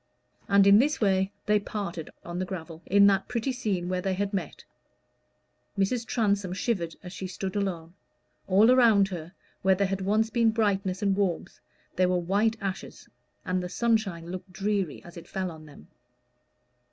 And in this way they parted on the gravel, in that pretty scene where they had met. Mrs. Transome shivered as she stood alone: all around her, where there had once been brightness and warmth, there were white ashes, and the sunshine looked dreary as it fell on them.